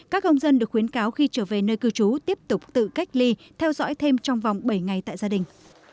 các công dân được khuyến cáo khi trở về nơi cư trú tiếp tục tự cách ly theo dõi thêm trong vòng bảy ngày tại gia đình